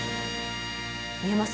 見えます？